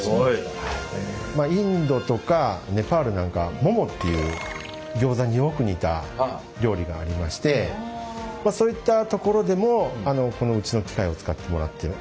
インドとかネパールなんかモモっていうギョーザによく似た料理がありましてそういったところでもこのうちの機械を使ってもらっている。